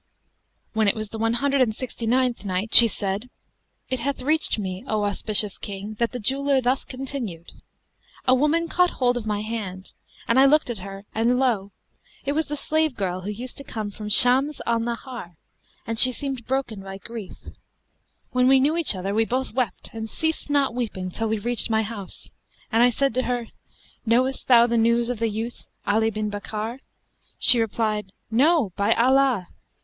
When it was the One Hundred and Sixty ninth Night, She said, It hath reached me, O auspicious King, that the jeweller thus continued:—"A woman caught hold of my hand; and I looked at her and lo! it was the slave girl who used to come from Shams al Nahar, and she seemed broken by grief. When we knew each other we both wept and ceased not weeping till we reached my house, and I said to her, 'Knowest thou the news of the youth, Ali bin Bakkar?' She replied, 'No, by Allah!'